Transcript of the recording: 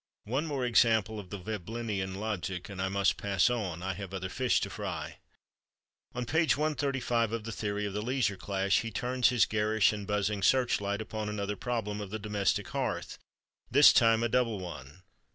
One more example of the Veblenian logic and I must pass on: I have other fish to fry. On page 135 of "The Theory of the Leisure Class" he turns his garish and buzzing search light upon another problem of the domestic hearth, this time a double one.